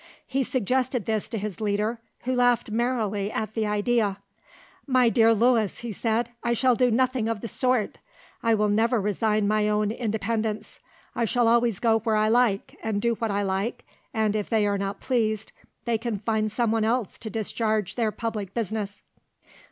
He suggested this to his leader, who laughed merrily at the idea. "My dear Louis," he said, "I shall do nothing of the sort. I will never resign my own independence; I shall always go where I like and do what I like, and if they are not pleased, they can find someone else to discharge their public business."